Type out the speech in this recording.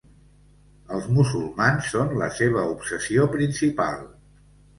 Els musulmans són la seva obsessió principal.